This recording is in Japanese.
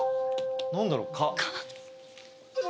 何だろう？